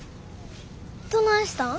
どないしたん？